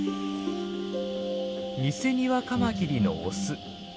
ニセニワカマキリのオス。